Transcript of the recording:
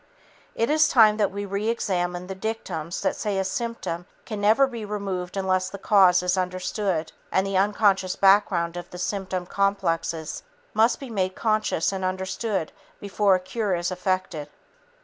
It is time that we re examined the dictums that say a symptom can never be removed unless the cause is understood and the unconscious background of symptom complexes must be made conscious and understood before a cure is effected.